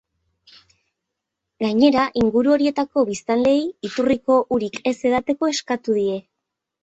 Gainera, inguru horietako biztanleei iturriko urik ez edateko eskatu die.